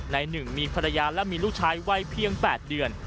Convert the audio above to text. ในหนึ่งมีภรรยาและมีลูกชายวัยเพียง๘เดือน